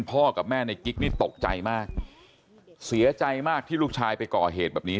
กับแม่ในกิ๊กนี่ตกใจมากเสียใจมากที่ลูกชายไปก่อเหตุแบบนี้